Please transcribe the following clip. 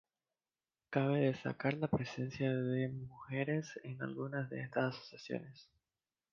Cabe destacar la presencia de mujeres en algunas de estas asociaciones.